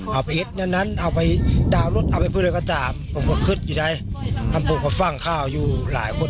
เอาไปเอาไปดาวรถเอาไปพูดเลยก็ตามคำพูกกับฟังข้าวอยู่หลายคน